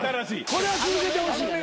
これは続けてほしい。